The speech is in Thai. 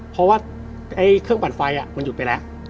เพราะว่าเครื่องปั่นไฟมันหยุดไปแล้ว